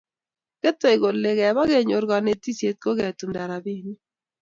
Ketei kole keba kenyor konetisiet ko ketumda robinik